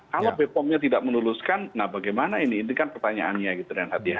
kalau bepomnya tidak menuluskan nah bagaimana ini ini kan pertanyaannya gitu